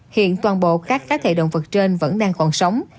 hiện toàn bộ các cá thể động vật trên vẫn đang còn sống